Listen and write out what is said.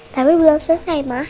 tapi belum selesai ma